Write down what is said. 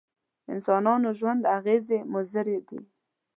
انسانانو ژوند اغېزې مضرې دي.